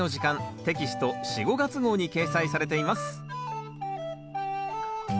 テキスト４・５月号に掲載されています